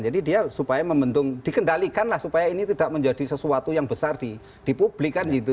jadi dia supaya membentuk dikendalikan lah supaya ini tidak menjadi sesuatu yang besar dipublikkan gitu